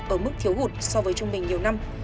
ở mức thiếu hụt so với trung bình nhiều năm